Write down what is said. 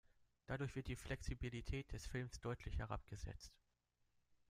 Dadurch wird die Flexibilität des Films deutlich herabgesetzt.